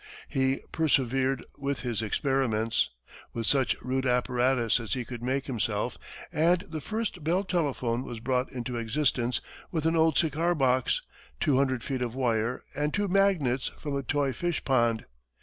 He persevered with his experiments, with such rude apparatus as he could make himself, and the first Bell telephone was brought into existence with an old cigar box, two hundred feet of wire, and two magnets from a toy fish pond.